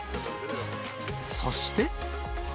そして。